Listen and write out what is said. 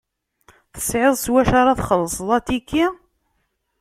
Tesɛiḍ s wacu ara txelseḍ atiki?